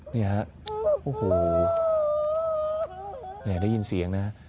เนี่ยฮะโอ้โหแม่ได้ยินเสียงนะ